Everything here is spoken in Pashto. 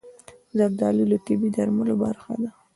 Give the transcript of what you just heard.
زردالو د طبیعي درملو برخه ده.